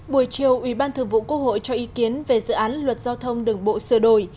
buổi chiều ủy ban thường vụ quốc hội cho ý kiến về dự án luật giao thông đường bộ sửa đổi